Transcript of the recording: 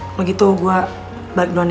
kalau gitu gue balik duluan ya